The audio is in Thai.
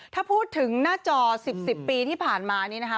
ถ้าพูดถึงหน้าจอ๑๐ปีที่ผ่านมานี้นะคะ